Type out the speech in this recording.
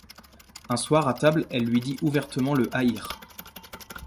Un soir à table elle lui dit ouvertement le haïr.